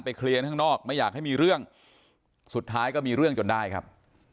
เคลียร์ข้างนอกไม่อยากให้มีเรื่องสุดท้ายก็มีเรื่องจนได้ครับ